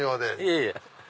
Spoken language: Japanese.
いえいえ。